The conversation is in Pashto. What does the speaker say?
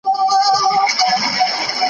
موږ له خپلو مسلمانو څخه ساتي